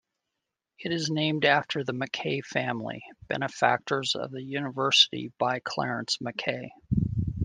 It is named after the Mackay family, benefactors of the university by Clarence Mackay.